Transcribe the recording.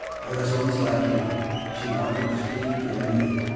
I was once like you!" She wanted to speak to Em'ly.